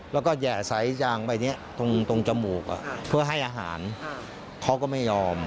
แล้วก็แห่สายยางใบนี้ตรงจมูกเพื่อให้อาหารเขาก็ไม่ยอม